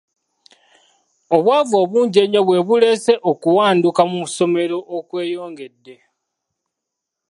Obwavu obungi ennyo bwe buleese okuwanduka mu ssomero okweyongedde.